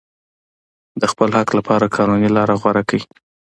د خپل حق لپاره قانوني لاره غوره کړئ.